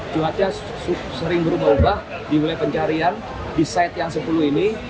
cuaca sering berubah ubah dimulai pencarian di site yang sepuluh ini